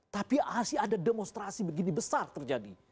tapi asli ada demonstrasi begini besar terjadi